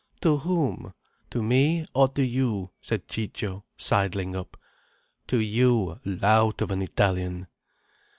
"To whom? To me or to you?" said Ciccio, sidling up. "To you, lout of an Italian."